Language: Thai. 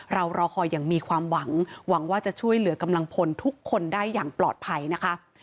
รอคอยอย่างมีความหวังหวังว่าจะช่วยเหลือกำลังพลทุกคนได้อย่างปลอดภัยนะคะ